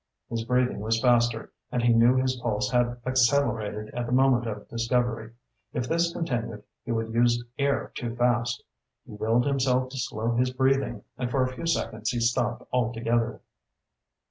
His breathing was faster, and he knew his pulse had accelerated at the moment of discovery. If this continued, he would use air too fast. He willed himself to slow his breathing, and for a few seconds he stopped altogether.